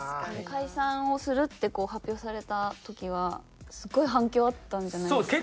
解散をするって発表された時はすごい反響あったんじゃないですか？